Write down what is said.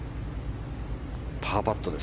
パーパットです